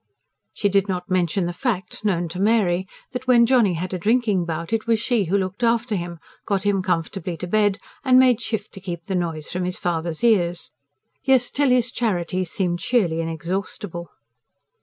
She did not mention the fact, known to Mary, that when Johnny had a drinking bout it was she who looked after him, got him comfortably to bed, and made shift to keep the noise from his father's ears. Yes, Tilly's charity seemed sheerly inexhaustible.